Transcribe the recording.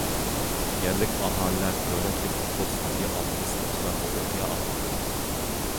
يەرلىك ئاھالىلەر دۆلەتلىك پۇتبول سارىيى ئالدىدا ساقچىلارغا ئوقيا ئاتماقتا.